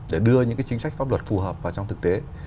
để đưa những cái chính sách pháp luật phù hợp vào trong thực tế